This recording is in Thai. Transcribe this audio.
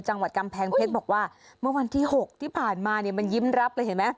จังหวัดกำแพงเพชรบอกว่าเมื่อวันที่๖ที่ผ่านมาเนี่ยมันยิ้มรับเลยเห็นไหม